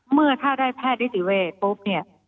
เมื่อถ้าได้แพทย์นิติเวศปุ๊บเนี่ย